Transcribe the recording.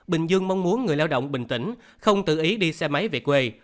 bình dương mong muốn người lao động bình tĩnh không tự ý đi xe máy về quê